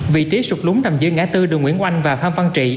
vị trí sụp lúng nằm dưới ngã tư đường nguyễn oanh và phan văn trị